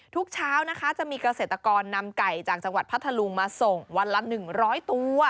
ทุกเช้านะคะจะมีเกษตรกรนำไก่จากจังหวัดพัทธลุงมาส่งวันละ๑๐๐ตัว